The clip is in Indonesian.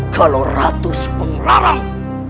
kalau ratu subangarang